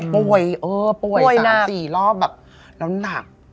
ป่วยป่วย๓๔รอบแบบแล้วหนัก